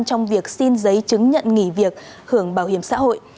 trong việc xin giấy chứng nhận nghỉ việc hưởng bảo hiểm xã hội